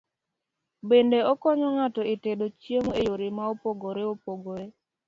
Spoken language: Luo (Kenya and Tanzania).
Bende okonyo ng'ato e tedo chiemo e yore ma opogore opogore.